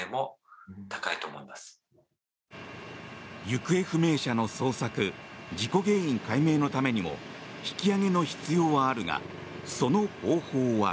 行方不明者の捜索事故原因解明のためにも引き揚げの必要はあるがその方法は。